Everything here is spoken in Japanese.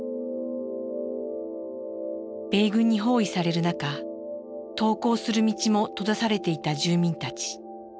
米軍に包囲される中投降する道も閉ざされていた住民たち。